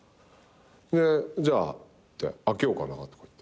で「じゃああけようかな」とか言って。